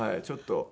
ちょっと。